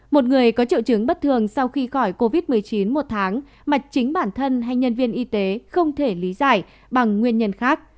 một người có triệu chứng bất thường sau khi khỏi covid một mươi chín một tháng mà chính bản thân hay nhân viên y tế không thể lý giải bằng nguyên nhân khác